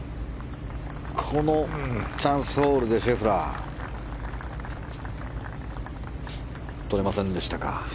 このチャンスホールでシェフラーとれませんでしたか。